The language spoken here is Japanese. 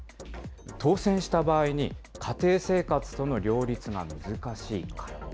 当選した場合に、家庭生活との両立が難しいから。